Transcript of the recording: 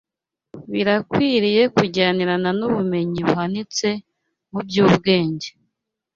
bikwiriye kujyanirana n’ubumenyi buhanitse mu by’ubwenge